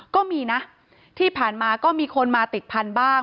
ก็มีนะที่ผ่านมาก็มีคนมาติดพันธุ์บ้าง